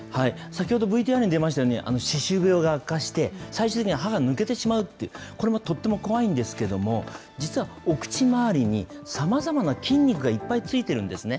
先ほどＶＴＲに出ましたように、歯周病が悪化して、最終的には歯が抜けてしまうっていう、これもとっても怖いんですけれども、実はお口周りに、さまざまな筋肉がいっぱいついているんですね。